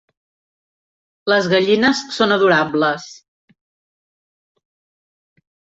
Les gallines són adorables.